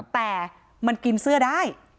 แต่มันกินเสื้อได้